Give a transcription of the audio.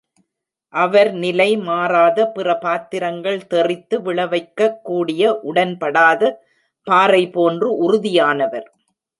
அவர் நிலை மாறாத, பிற பாத்திரங்கள் தெறித்து விழவைக்கக் கூடிய உடன்படாத பாறை போன்று உறுதியானவர்.